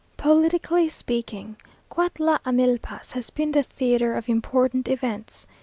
Politically speaking, Cuautla Amilpas has been the theatre of important events.